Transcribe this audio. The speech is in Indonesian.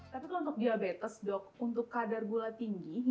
tapi kalau untuk diabetes dok untuk kadar gula tinggi